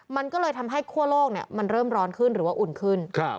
มันก็เลยทำให้คั่วโลกมันเริ่มร้อนขึ้นหรือว่าอุ่นขึ้น